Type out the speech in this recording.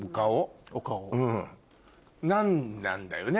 なんだよね